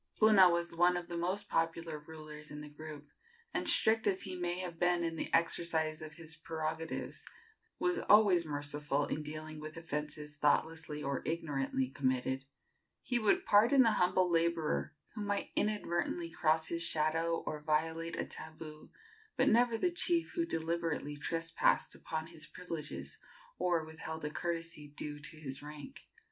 Puna was one of the most popular rulers in the group, and, strict as he may have been in the exercise of his prerogatives, was always merciful in dealing with offences thoughtlessly or ignorantly committed. He would pardon the humble laborer who might inadvertently cross his shadow or violate a tabu, but never the chief who deliberately trespassed upon his privileges or withheld a courtesy due to his rank.